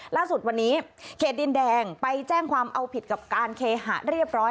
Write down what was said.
ล่าสุดวันนี้เขตดินแดงไปแจ้งความเอาผิดกับการเคหะเรียบร้อย